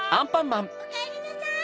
・おかえりなさい！